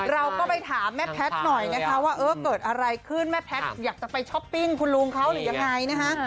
เราก็ไปถามแม่แพทย์หน่อยนะคะว่าเออเกิดอะไรขึ้นแม่แพทย์อยากจะไปช้อปปิ้งคุณลุงเขาหรือยังไงนะคะ